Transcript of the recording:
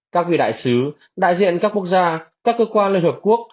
các vị đại sứ đại diện các quốc gia các cơ quan liên hợp quốc